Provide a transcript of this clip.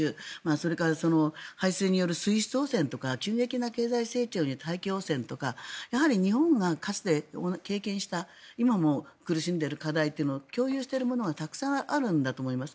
それから排水による水質汚染とか急激な経済成長による大気汚染とかやはり日本がかつて経験した今も苦しんでいる課題というのを共有している部分がたくさんあるんだと思います。